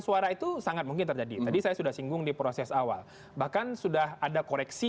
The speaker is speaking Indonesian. suara itu sangat mungkin terjadi tadi saya sudah singgung di proses awal bahkan sudah ada koreksi